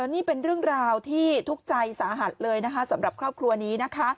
นี่เป็นเรื่องราวที่ทุกข์ใจสาหัสเลยนะคะสำหรับครอบครัวนี้นะคะ